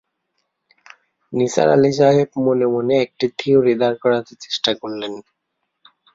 নিসার আলি সাহেব মনে মনে একটি থিওরি দাঁড় করাতে চেষ্টা করলেন।